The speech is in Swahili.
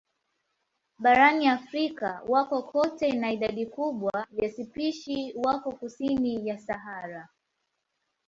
Barani Afrika wako kote na idadi kubwa ya spishi wako kusini ya Sahara.